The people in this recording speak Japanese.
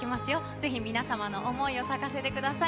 ぜひ皆様の想いを咲かせてください。